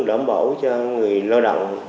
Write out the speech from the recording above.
đảm bảo cho người lao động